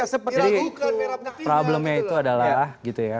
jadi problemnya itu adalah gitu ya